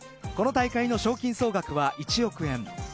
この大会の賞金総額は１億円。